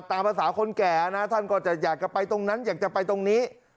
ตามภาษาคนแก่นะท่านก็จะอยากจะไปตรงนั้นอยากจะไปตรงนี้